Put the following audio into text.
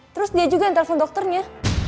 terus dia juga yang telepon dokternya